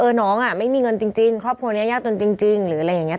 น้องอ่ะไม่มีเงินจริงครอบครัวนี้ยากจนจริงหรืออะไรอย่างนี้